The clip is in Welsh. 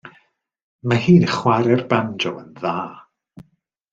Mae hi'n chwarae'r banjo yn dda.